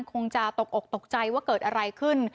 คงจะตกอกตกใจว่าเกิดอะไรขึ้น